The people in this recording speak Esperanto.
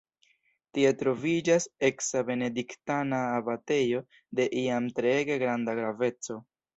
Tie troviĝas eksa benediktana abatejo de iam treege granda graveco.